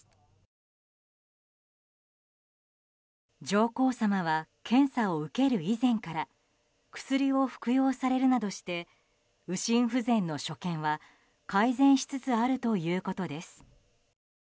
上皇さまは検査を受ける以前から薬を服用されるなどして右心不全の所見は改善しつつあるということです。